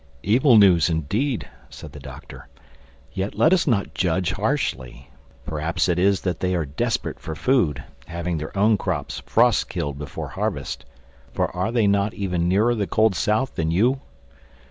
"Evil news indeed," said the Doctor. "Yet let us not judge harshly. Perhaps it is that they are desperate for food, having their own crops frost killed before harvest. For are they not even nearer the cold South than you?"